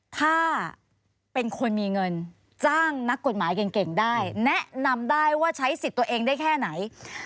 ถ้าเป็นคนมีเงินจ้างนักกฎหมายเก่งได้แนะนำได้ว่าใช้สิทธิ์ตัวเองได้แค่ไหน